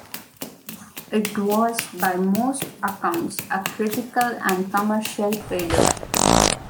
It was, by most accounts, a critical and commercial failure.